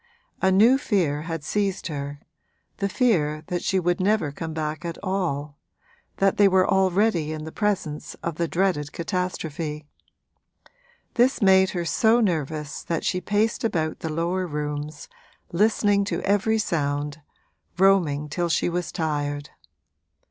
A new fear had seized her, the fear that she would never come back at all that they were already in the presence of the dreaded catastrophe. This made her so nervous that she paced about the lower rooms, listening to every sound, roaming till she was tired.